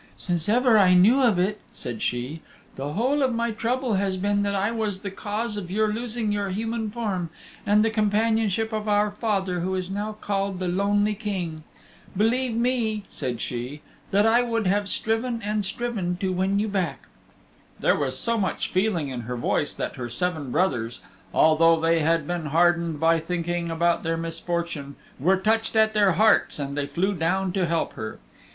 "Since ever I knew of it," said she, "the whole of my trouble has been that I was the cause of your losing your human form and the companionship of our father who is now called the Lonely King. Believe me," said she, "that I would have striven and striven to win you back." There was so much feeling in her voice that her seven brothers, although they had been hardened by thinking about their misfortune, were touched at their hearts and they flew down to help her.